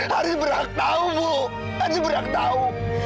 haris berhak tahu bu haris berhak tahu